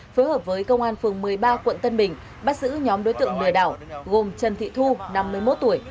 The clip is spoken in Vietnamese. phối hợp với công an phường một mươi ba quận tân bình bắt giữ nhóm đối tượng lừa đảo gồm trần thị thu năm mươi một tuổi